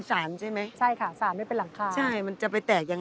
ก็คล้ายมันเหมือน